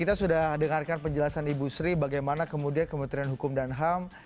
kita sudah dengarkan penjelasan ibu sri bagaimana kemudian kementerian hukum dan ham